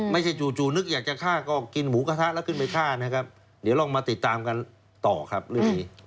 จู่นึกอยากจะฆ่าก็กินหมูกระทะแล้วขึ้นไปฆ่านะครับเดี๋ยวลองมาติดตามกันต่อครับเรื่องนี้